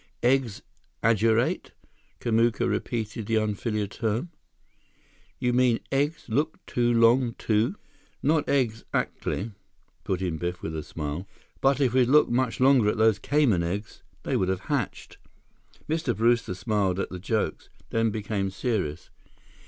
"Eggs aggerate?" Kamuka repeated the unfamiliar term. "You mean eggs look long too?" "Not eggs actly," put in Biff, with a smile, "but if we'd looked much longer at those cayman eggs, they would have hatched." Mr. Brewster smiled at the jokes, then became serious.